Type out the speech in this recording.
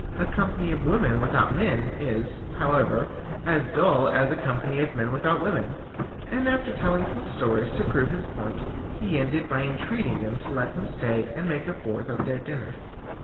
A company of women without men is, however, as dull as a company of men without women." And after telling some stories to prove his point, he ended by entreating them to let him stay and make a fourth at their dinner.